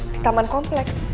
di taman kompleks